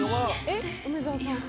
えっ梅沢さん？